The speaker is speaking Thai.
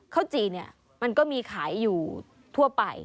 ข้าวจีนเนี่ยมันก็มีขายอยู่ทั่วไป